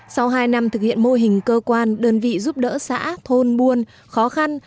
sau hai năm thực hiện mô hình cơ quan đơn vị giúp đỡ xã thôn buôn khó khăn